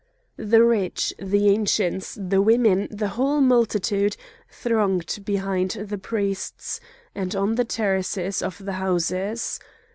The rich, the Ancients, the women, the whole multitude, thronged behind the priests and on the terraces of the houses.